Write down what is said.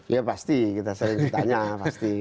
ya pasti kita sering ditanya pasti